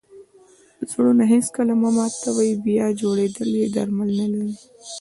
زړونه هېڅکله مه ماتوئ! بیا جوړېدل ئې درمل نه لري.